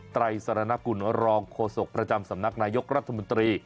ไตรสารณกุลรองโฆษกประจำสำนักนายกรัฐมนตรี